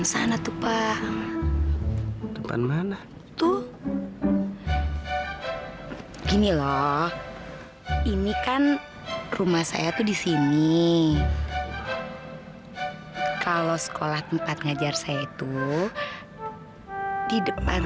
sampai jumpa di video selanjutnya